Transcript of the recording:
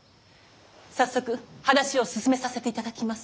早速話を進めさせていただきます。